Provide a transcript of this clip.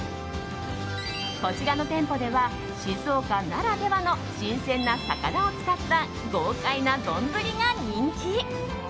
こちらの店舗では静岡ならではの新鮮な魚を使った豪快な丼が人気。